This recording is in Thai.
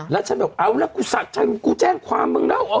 แล้วฉันบอกเอาล่ะกูสะใจมึงกูแจ้งความมึงแล้ว